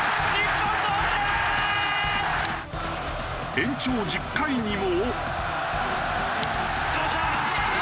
延長１０回にも。